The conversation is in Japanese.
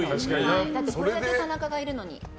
これだけ田中がいるのに。